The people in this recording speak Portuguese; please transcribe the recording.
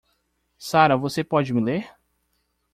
Sara você pode me ler?